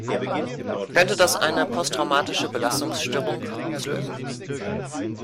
Könnte das eine posttraumatische Belastungsstörung auslösen?